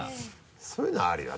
そういうのあるよ。